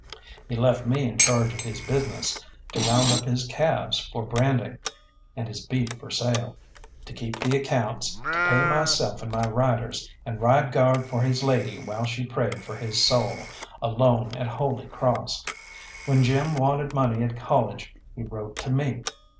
He left me in charge of his business, to round up his calves for branding, and his beef for sale, to keep the accounts, to pay myself and my riders, and ride guard for his lady while she prayed for his soul, alone at Holy Cross. When Jim wanted money at college he wrote to me.